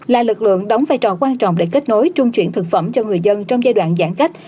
là lực lượng đóng vai trò quan trọng để kết nối trung chuyển thực phẩm cho người dân trong giai đoạn giãn cách